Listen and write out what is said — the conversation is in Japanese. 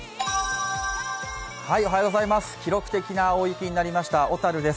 記録的な大雪になりました小樽です。